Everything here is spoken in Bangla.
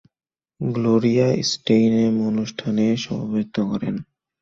গ্লোরিয়া স্টেইনেম অনুষ্ঠানে সভাপতিত্ব করেন।